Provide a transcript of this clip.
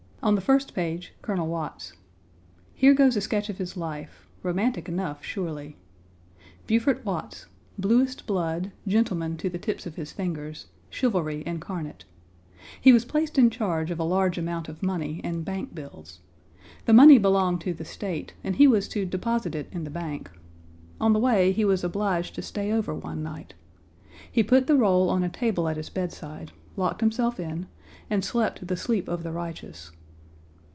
On the first page, Colonel Watts. Here goes a sketch of his life; romantic enough, surely: Beaufort Watts; bluest blood; gentleman to the tips of his fingers; chivalry incarnate. He was placed in charge of a large amount of money, in bank bills. The money belonged to the State and he was to deposit it in the bank. On the way he was obliged to stay over one night. He put the roll on a table at his bedside, locked himself in, and slept the sleep of the righteous.